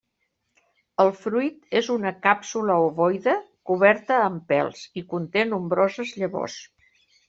El fruit és una càpsula ovoide coberta amb pèls i conté nombroses llavors.